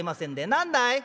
「何だい？